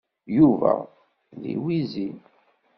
Yuba d iwizi.